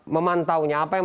memantaunya apa yang